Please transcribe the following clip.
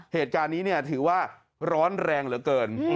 เหตุการณ์นี้ถือว่าร้อนแรงเหลือเกิน